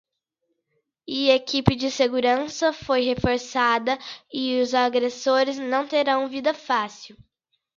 E equipe de segurança foi reforçada e os agressores não terão vida fácil